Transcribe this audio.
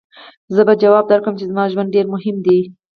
زه به ځواب درکړم چې زما ژوند ډېر مهم دی.